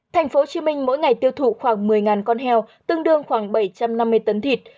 tp hcm mỗi ngày tiêu thụ khoảng một mươi con heo tương đương khoảng bảy trăm năm mươi tấn thịt